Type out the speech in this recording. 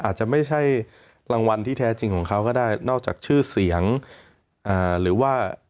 อาจจะไม่ใช่รางวัลที่แท้จริงของเขาก็ได้นอกจากชื่อเสียงหรือว่า